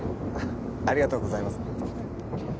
ありがとうございます。